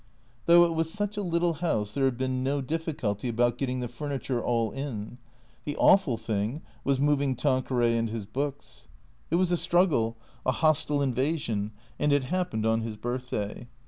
Though it was such a little house, there had been no difficulty about getting the furniture all in. The awful thing was mov ing Tanqueray and his books. It was a struggle, a hostile inva sion, and it happened on his birthday.